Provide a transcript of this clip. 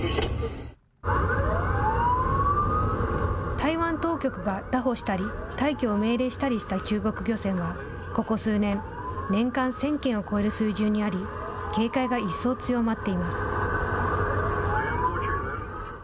台湾当局が拿捕したり、退去を命令したりした中国漁船は、ここ数年、年間１０００件を超える水準にあり、警戒が一層強まっています。